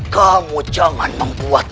kamu jangan membuatkan